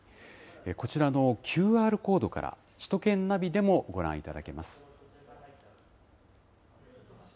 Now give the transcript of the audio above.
こちらのＱＲコードから、首都圏ナビでもご覧いただけます。